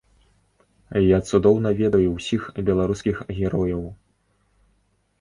Я цудоўна ведаю ўсіх беларускіх герояў.